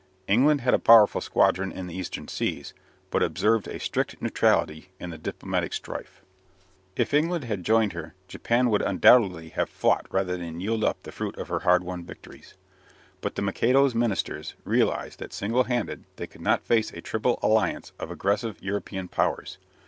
England had a powerful squadron in the Eastern seas, but observed a strict neutrality in the diplomatic strife. If England had joined her, Japan would undoubtedly have fought rather than yield up the fruit of her hard won victories. But the Mikado's Ministers realized that single handed they could not face a Triple Alliance of aggressive European Powers.